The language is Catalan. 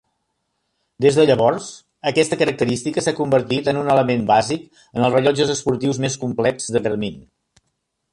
Des de llavors, aquesta característica s'ha convertit en un element bàsic en els rellotges esportius més complets de Garmin.